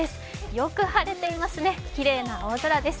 よく晴れていますね、きれいな青空です。